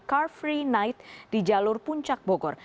car free night di jalur puncak bogor